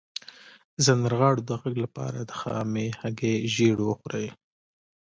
د سندرغاړو د غږ لپاره د خامې هګۍ ژیړ وخورئ